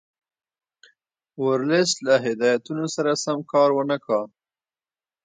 ورلسټ له هدایتونو سره سم کار ونه کړ.